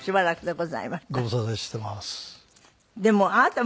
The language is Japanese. ご無沙汰してます。